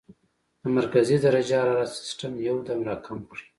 د مرکزي درجه حرارت سسټم يو دم را کم کړي -